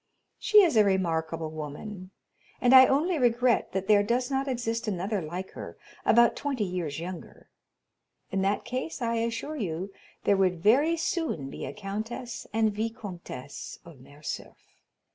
She is a remarkable woman, and I only regret that there does not exist another like her, about twenty years younger; in that case, I assure you, there would very soon be a Countess and Viscountess of Morcerf.